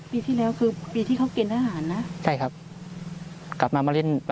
ปีที่แล้วคือปีที่เขากินอาหารนะ